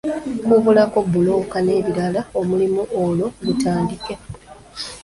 Kubulako bbulooka n'ebirala omulimu olwo gutandike.